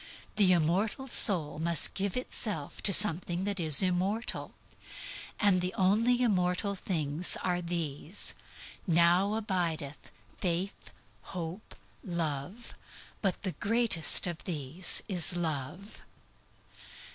The immortal soul must give itself to something that is immortal. And the only immortal things are these: "Now abideth faith, hope, love, but the greatest of these is love."